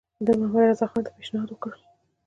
ده محمدرضاخان ته پېشنهاد وکړ.